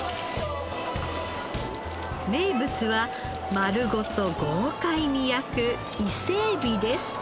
名物は丸ごと豪快に焼く伊勢えびです。